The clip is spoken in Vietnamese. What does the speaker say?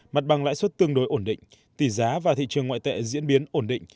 mặt bằng lãi suất tương đối ổn định tỷ giá và thị trường ngoại tệ diễn biến ổn định